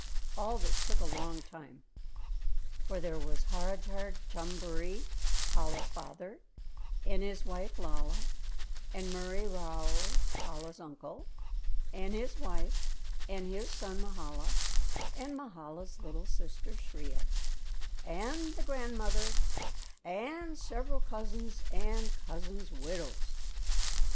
All this took a long time, for there was Harajar Chumjeree, Chola's father, and his wife Lalla, and Murree Rao, Chola's uncle, and his wife, and his son Mahala, and Mahala's little sister Shriya, and the grandmother, and several cousins and cousins' widows.